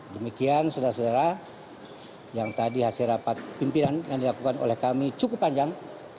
demikian saudara saudara yang tadi hasil rapat pimpinan yang dilakukan oleh kami cukup panjang